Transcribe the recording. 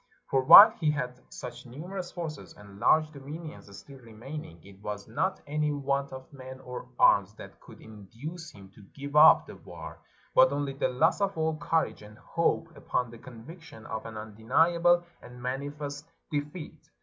For while he had such numerous forces and large dominions still remaining, it was not any want of men or arms that could induce him to give up the war, but only the loss of all courage and hope upon the conviction of an undeniable and manifest defeat.